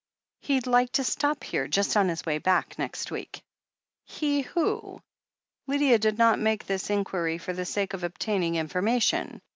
"He said he'd like to stop here, just on his way back, next week." "He— who?" Lydia did not make this inquiry for the sake of obtaining information.